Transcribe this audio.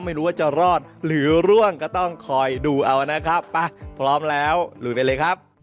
ไม่รู้ว่าจะรอดหรือร่วงก็ต้องคอยดูเอานะครับไปพร้อมแล้วลุยไปเลยครับ